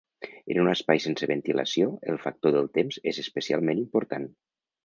En un espai sense ventilació, el factor del temps és especialment important.